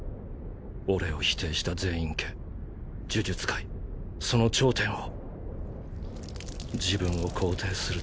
俺を否定した禪院家呪術界その頂点を。